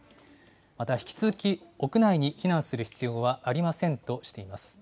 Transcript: また引き続き、屋内に避難する必要はありませんとしています。